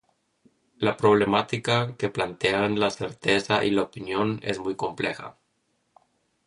La problemática que plantean la certeza y la opinión es muy compleja.